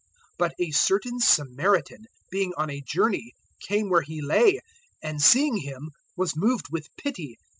010:033 But a certain Samaritan, being on a journey, came where he lay, and seeing him was moved with pity.